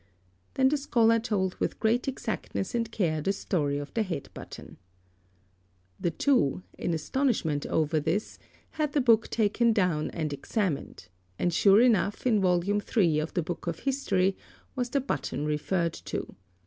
Then the scholar told with great exactness and care the story of the head button. The two, in astonishment over this, had the book taken down and examined, and sure enough in Vol. III of the Book of History was the button referred to.